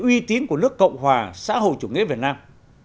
uy tín của nước cộng hòa xã hội chủ nghĩa việt nam